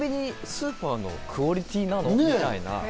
スーパーのクオリティー？みたいな。